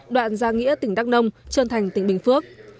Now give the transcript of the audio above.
đoạn gia nghĩa tỉnh đắk nông trơn thành tỉnh bình phước